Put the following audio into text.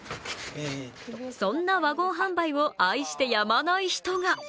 そんなワゴン販売を愛してやまない人が。